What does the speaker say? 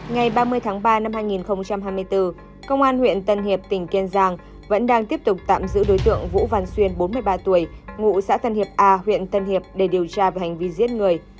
ngày ba mươi tháng ba năm hai nghìn hai mươi bốn công an huyện tân hiệp tỉnh kiên giang vẫn đang tiếp tục tạm giữ đối tượng vũ văn xuyên bốn mươi ba tuổi ngụ xã tân hiệp a huyện tân hiệp để điều tra về hành vi giết người